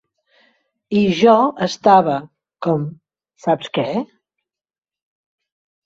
I jo estava, com, Saps què?